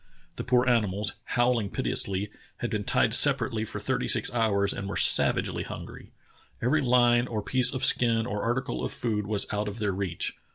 ... The poor animals, howl ing piteously, had been tied separately for th!rt3^ six hours and were savagely hungry. Every line or piece of skin or article of food was out of their reach.